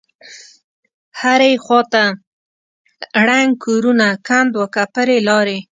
هره خوا ړنگ کورونه کند وکپرې لارې.